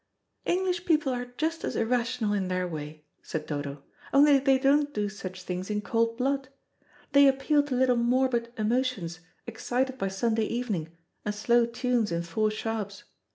"English people are just as irrational in their way," said Dodo, "only they don't do such things in cold blood. They appeal to little morbid emotions, excited by Sunday evening and slow tunes in four sharps.